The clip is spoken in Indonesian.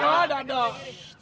ya udah dong